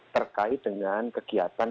terkait dengan kegiatan